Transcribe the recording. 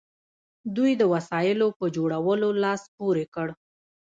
دوی د وسایلو په جوړولو لاس پورې کړ.